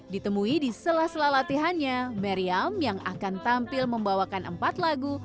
ditemui di sela sela latihannya meriam yang akan tampil membawakan empat lagu